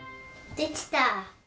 できた！